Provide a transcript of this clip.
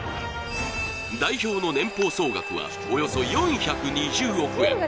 代表の年俸総額は、およそ４２０億円。